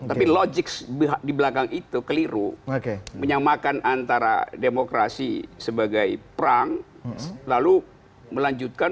irish memakai dibelakang itu keliru oke menyamakan antara demokrasi sebagai perang lalu melanjutkan